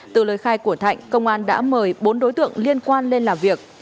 từ lời khai của thạnh công an đã mời bốn đối tượng liên quan lên làm việc